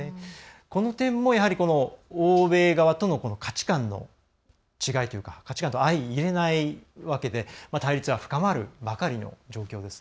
この点も、やはり欧米側との価値観の違いというか価値観と相いれないわけで対立は深まるばかりの状況です。